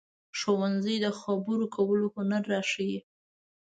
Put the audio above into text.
ښوونځی د خبرو کولو هنر راښيي